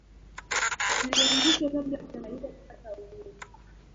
Zilianzishwa kabla ya Tanganyika kupata uhuru